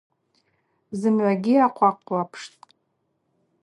Зымгӏвагьи ахъвахъвлапштӏ.